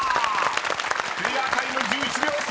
［クリアタイム１１秒３！］